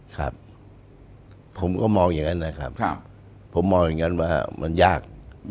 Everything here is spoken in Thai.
ครับผมก็มองอย่างนั้นนะครับผมมองอย่างนั้นว่ามันยาก